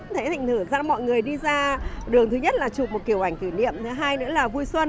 thấy thịnh thử mọi người đi ra đường thứ nhất là chụp một kiểu ảnh tử niệm thứ hai nữa là vui xuân